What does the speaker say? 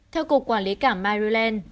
theo cục quản lý cảng maryland